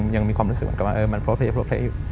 ยังมีความรู้สึกเหมือนกับว่ามันโพะเละอยู่